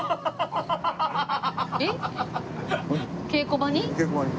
稽古場に。